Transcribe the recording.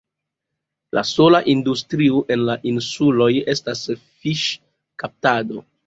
La sola industrio en la insuloj estas fiŝkaptado.